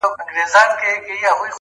لنډۍ په غزل کي، درېیمه برخه؛